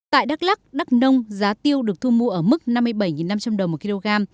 tại đắk lắc đắk nông giá tiêu được thu mua ở mức năm mươi bảy năm trăm linh đồng một kg